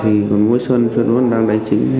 xong cũng quay lại còn mỗi xuân xuân một đang đánh chính